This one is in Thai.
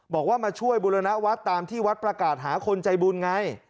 บอกว่ามาช่วยบุรณวัฒน์ตามที่วัดประกาศหาคนใจบุญไง